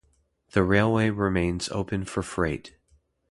The railway remains open for freight.